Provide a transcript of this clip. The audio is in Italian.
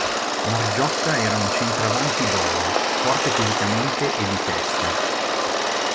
Margiotta era un centravanti-boa, forte fisicamente e di testa.